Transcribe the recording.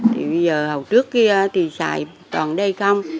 thì bây giờ hầu trước thì xài toàn đây không